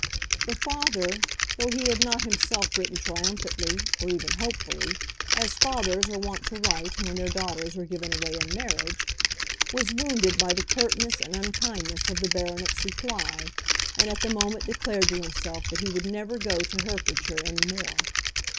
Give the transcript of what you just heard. The father, though he had not himself written triumphantly, or even hopefully, as fathers are wont to write when their daughters are given away in marriage, was wounded by the curtness and unkindness of the baronet's reply, and at the moment declared to himself that he would never go to Herefordshire any more.